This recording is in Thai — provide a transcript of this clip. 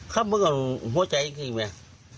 ข้ามึงกันหัวใจอีกทีไหม